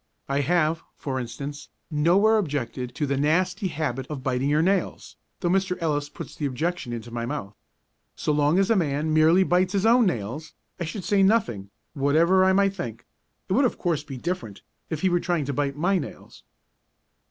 I have, for instance, nowhere objected to the nasty habit of biting your nails, though Mr. Ellis puts the objection into my mouth. So long as a man merely bites his own nails, I should say nothing, whatever I might think: it would of course be different, if he were to try to bite my nails.